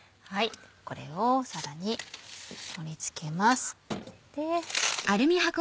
これを皿に盛り付けます。